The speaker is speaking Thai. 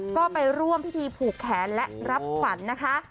ก็ไปร่วมพิธีผูกแขนและรับขวัญนะคะ